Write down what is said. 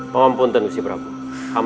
ya tuhan ya tuhan